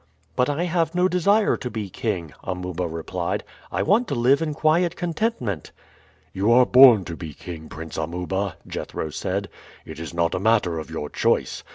"But I have no desire to be king," Amuba replied. "I want to live in quiet contentment." "You are born to be king, Prince Amuba," Jethro said; "it is not a matter of your choice.